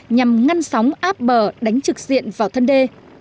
nhằm ngăn sóng áp bờ đánh trực diện vào thân đê